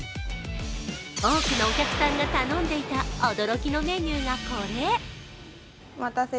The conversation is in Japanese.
多くのお客さんが頼んでいた驚きのメニューが、これ。